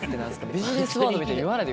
ビジネスワードみたいに言わないで。